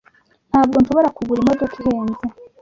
Ntabwo nshobora kugura imodoka ihenze.